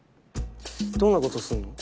どんなことすんの？